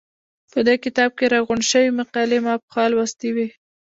په دې کتاب کې راغونډې شوې مقالې ما پخوا لوستې وې.